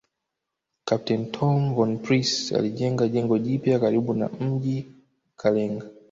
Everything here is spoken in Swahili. Kapteni Tom von Prince alijenga jengo jipya karibu na mji Kalenga